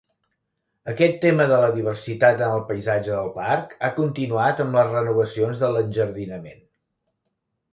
Aquest tema de la diversitat en el paisatge del parc ha continuat amb les renovacions de l'enjardinament.